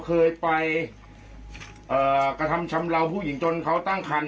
เคยไปกระทำชำราวผู้หญิงจนเขาตั้งคัน